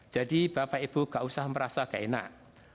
jadi bapak ibu gak usah merasa keenak